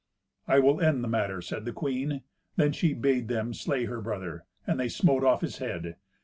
"I will end the matter," said the queen. Then she bade them slay her brother, and they smote off his head.